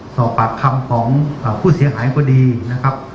สอบปากคำของผู้เสียหายพฤษ